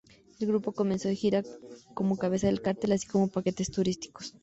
El grupo comenzó una gira como cabeza de cartel, así como en paquetes turísticos.